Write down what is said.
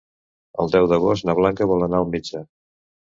El deu d'agost na Blanca vol anar al metge.